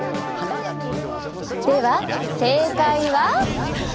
では正解は。